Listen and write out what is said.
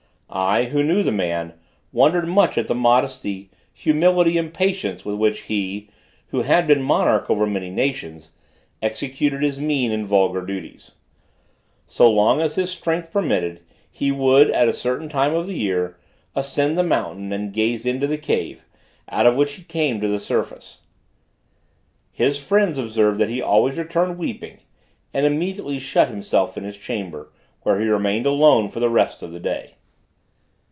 I, who knew the man, wondered much at the modesty, humility and patience with which he, who had been monarch over many nations, executed his mean and vulgar duties. So long as his strength permitted, he would, at a certain time in the year, ascend the mountain and gaze into the cave, out of which he came to the surface. His friends observed that he always returned weeping, and immediately shut himself in his chamber, where he remained alone the rest of the day.